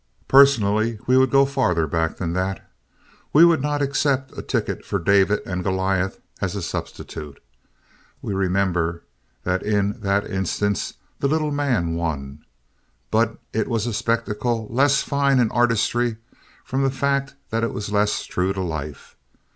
Personally we would go further back than that. We would not accept a ticket for David and Goliath as a substitute. We remember that in that instance the little man won, but it was a spectacle less fine in artistry from the fact that it was less true to life.